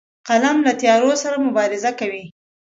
قلم له تیارو سره مبارزه کوي